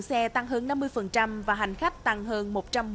ngày thường lượng xe tăng hơn năm mươi và hành khách tăng hơn một trăm một mươi chín